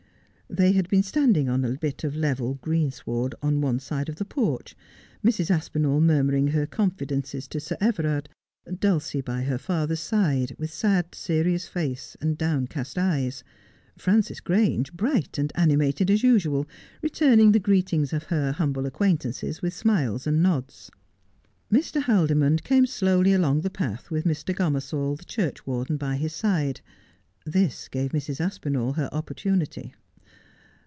They had been standing on a bit of level greensward on one side of the porch, Mrs. Aspinall murmuring her confidences to Sir Everard, Dulcie by hei father's side, with sad, serious face, and downcast eyes ; Frances Grange bright and animated as usual, returning the greetings of her humble acquaintances with smiles and nods. Mr. Haldimond came slowly along the path with Mr. Gomersall, the churchwarden, by his side. This gave Mrs. Aspinall her opportunity.